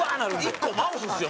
１個マウスですよ